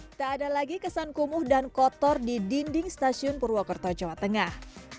tidak ada lagi kesan kumuh dan kotor di dinding stasiun purwokerto jawa tengah